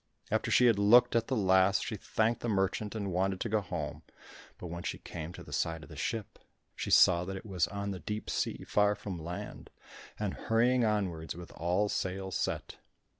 After she had looked at the last, she thanked the merchant and wanted to go home, but when she came to the side of the ship, she saw that it was on the deep sea far from land, and hurrying onwards with all sail set.